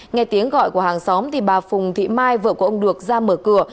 nghe tiếng gọi của hàng xóm thì bà phùng thị mai vợ của ông được ra mở cửa